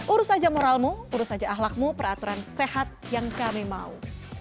urus aja moralmu urus aja ahlakmu peraturan sehat yang kami mau